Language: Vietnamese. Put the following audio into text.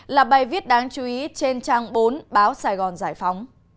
là bài viết đáng chú ý trên trang bốn báo sài gòn giải phóng